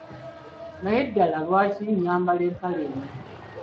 Naye ddala lwaki nyambala empale eno?